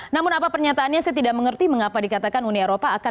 namun apa pernyataannya saya tidak mengerti mengapa dikatakan uni eropa